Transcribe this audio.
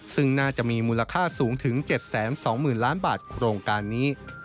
ซึ่งน่าจะมีมูลค่าสูงถึง๗๒๐๐๐ล้านบาทโครงการนี้